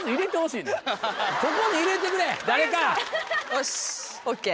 よしＯＫ。